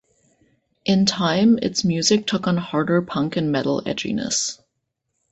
In time, its music took on harder punk and metal edginess.